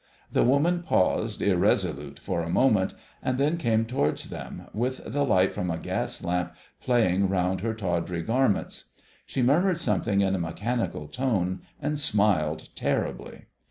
The woman paused irresolute for a moment, and then came towards them, with the light from a gas lamp playing round her tawdry garments. She murmured something in a mechanical tone, and smiled terribly.